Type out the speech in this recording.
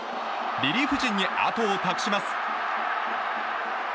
リリーフ陣に後を託します。